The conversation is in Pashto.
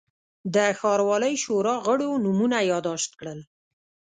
د ښاروالۍ شورا غړو نومونه یاداشت کړل.